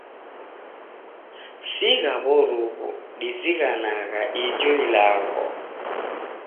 Sigha w'oruw'u dizighanaa ijo ilagho.